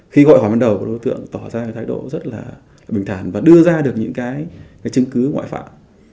khi gọi hỏi ban đầu của đối tượng tỏ ra cái thái độ rất là bình thản và đưa ra được những cái chứng cứ ngoại phạm